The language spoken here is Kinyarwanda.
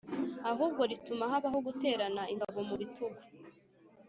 ahubwo rituma habaho guterana ingabo mu bitugu,